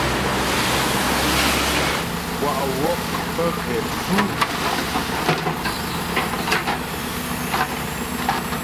Kwa' wɔ' pə kɛ pfʉ.